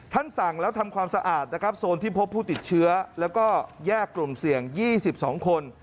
สั่งแล้วทำความสะอาดนะครับโซนที่พบผู้ติดเชื้อแล้วก็แยกกลุ่มเสี่ยง๒๒คน